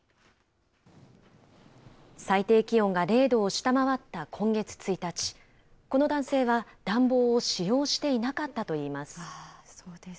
最低気温が０度を下回った今月１日、この男性は暖房を使用していなかったといいます。